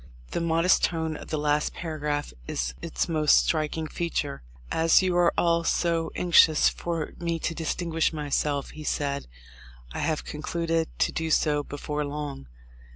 The modest tone of the last paragraph is its most striking feature. "As you are all so anxious for me to distinguish myself," he said, "I have concluded to do so before long."